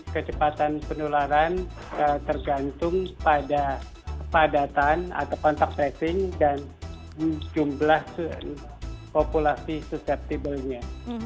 kecepatan penularan tergantung pada padatan atau kontak tracing dan jumlah populasi susceptiblenya